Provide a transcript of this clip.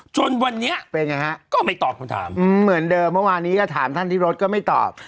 จนวันนี้เป็นยังไงฮะก็ไม่ตอบคำถามเหมือนเดิมเมื่อวานนี้ก็ถามท่านที่รถก็ไม่ตอบ